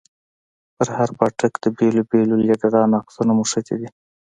پر هر پاټک د بېلو بېلو ليډرانو عکسونه مښتي دي.